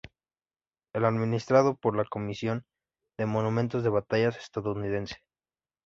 Es administrado por la Comisión de Monumentos de Batallas estadounidense.